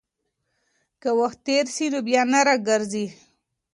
که وخت تېر سي، نو بيا نه راګرځي.